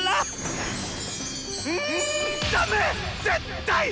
絶対！